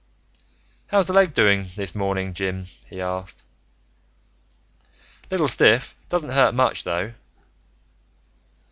"How's the leg this morning, Jim?" he asked. "Little stiff. Doesn't hurt much, though."